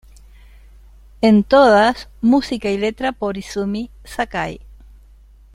En todas música y letra por Izumi Sakai